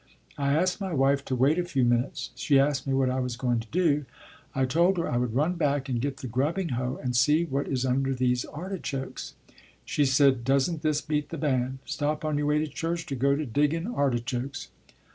I asked my wife to wait a few minutes. She asked me what I was going to do. I told her I would run back and get the grubbing hoe and see what is under these artichokes. She said, "Doesn't this beat the band? Stop on your way to church to go to digging artichokes."